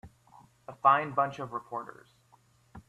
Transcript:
A fine bunch of reporters.